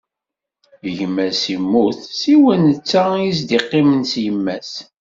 Gma-s immut, siwa netta i s-d-iqqimen s yemma-s.